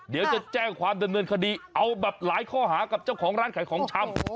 เดี๋ยวจะแจ้งความดำเนินคดีเอาแบบหลายข้อหากับเจ้าของร้านขายของชำ